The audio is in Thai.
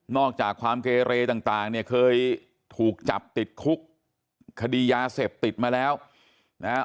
อกจากความเกเรต่างเนี่ยเคยถูกจับติดคุกคดียาเสพติดมาแล้วนะฮะ